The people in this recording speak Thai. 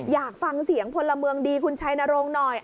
อยากฟังเสียงพลเมืองดีคุณชัยนรงค์หน่อย